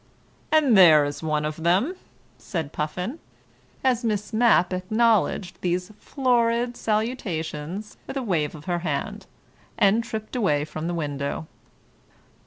"And there's one of them," said Puffin, as Miss Mapp acknowledged these florid salutations with a wave of her hand, and tripped away from the window.